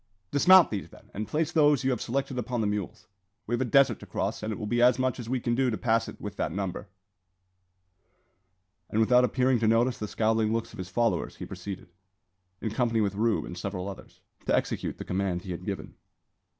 "Dismount these, then, and place those you have selected upon the mules. We have a desert to cross, and it will be as much as we can do to pass it with that number." And without appearing to notice the scowling looks of his followers, he proceeded, in company with Rube and several others, to execute the command he had given.